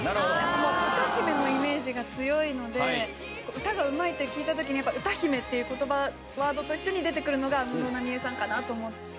もう歌姫のイメージが強いので歌がうまいって聞いた時にやっぱ歌姫っていう言葉ワードと一緒に出てくるのが安室奈美恵さんかなと思って。